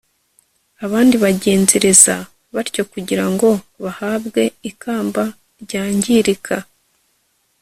abandi bagenzereza batyo kugira ngo bahabwe ikamba ryangirika